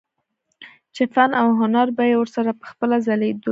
چې فن او هنر به يې ورسره پخپله ځليدلو